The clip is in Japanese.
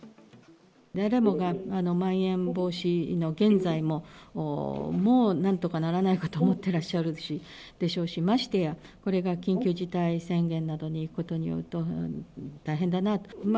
誰もがまん延防止の現在も、もうなんとかならないかと思ってらっしゃるでしょうし、ましてや、これが緊急事態宣言などにいくことになると、大変だなと。